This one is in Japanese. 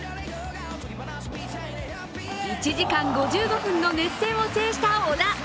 １時間５５分の熱戦を制した小田。